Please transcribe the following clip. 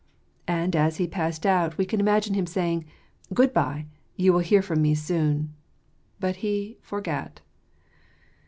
And as he passed out, we can imagine him saying, " Good bye : you will hear from me soon." But he "forgat."